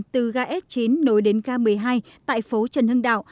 từ ga s chín nối đến ga một mươi hai tại phố trần hưng đạo